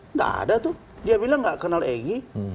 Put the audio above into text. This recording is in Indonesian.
nggak ada tuh dia bilang nggak kenal egy